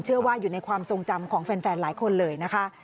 อยู่ในความทรงจำของแฟนหลายคนเลยนะคะ